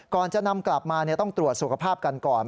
ก่อนจะนำกลับมาต้องตรวจสุขภาพกันก่อน